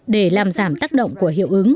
để làm giảm tác động của hiệu ứng